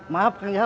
maaf kang jah